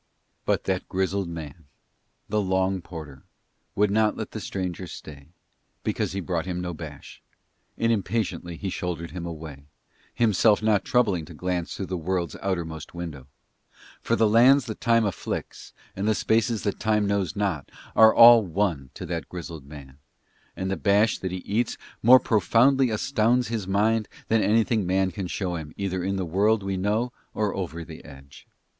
But that grizzled man, the long porter, would not let the stranger stay, because he brought him no bash, and impatiently he shouldered him away, himself not troubling to glance through the World's outermost window, for the lands that Time afflicts and the spaces that Time knows not are all one to that grizzled man, and the bash that he eats more profoundly astounds his mind than anything man can show him either in the World we know or over the Edge.